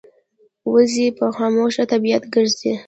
وزې په خاموش طبیعت ګرځي